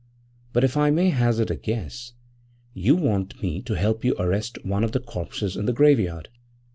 But if I may hazard a guess, you want me to help you arrest one of the corpses in the graveyard.'